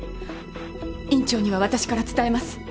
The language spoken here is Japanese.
院長には私から伝えます。